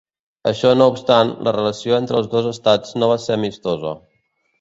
Això no obstant, la relació entre els dos estats no va ser amistosa.